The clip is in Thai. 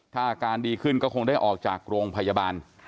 ถ้าอาการดีขึ้นก็คงได้ออกจากโรงพยาบาล